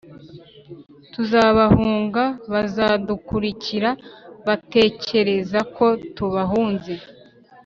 tuzabahunga Bazadukurikira batekereza ko tubahunze